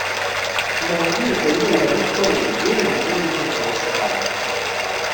amabwiriza ngengamikorere yemejwe n’inteko rusange